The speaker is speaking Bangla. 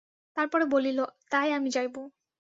তার পরে বলিল, তাই আমি যাইব।